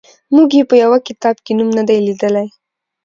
موږ یې په یوه کتاب کې نوم نه دی لیدلی.